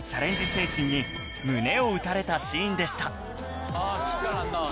精神に胸を打たれたシーンでした